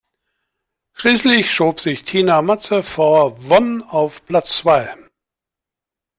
Schließlich schob sich Tina Maze vor Vonn auf Platz zwei.